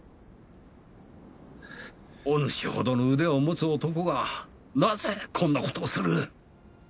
おぬしほどの腕を持つ男がなぜこんな事をする？